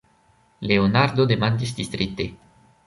Leonardo demandis distrite.